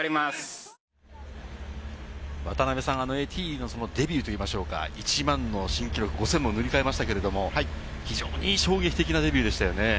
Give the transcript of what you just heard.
エティーリのデビューといいましょうか、１００００の新記録、５０００も塗り替えましたが、非常に衝撃的なデビューでしたよね。